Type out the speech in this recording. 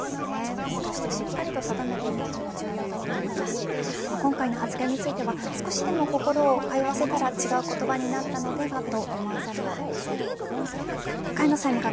法としてしっかりと定めていくことも重要だと思いますし今回の発言については少しも心をかよわせたら違う言葉になったのではと思わざるをえません。